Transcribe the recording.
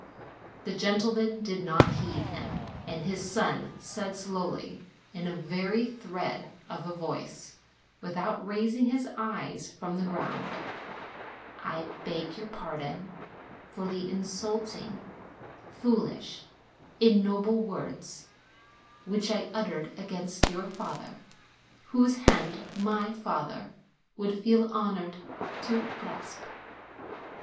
The gentleman did not heed him, and his son said slowly, in a very thread of a voice, without raising his eyes from the ground, "I beg your pardon for the insulting foolish ignoble words which I uttered against your father, whose hand my father would feel honored to grasp."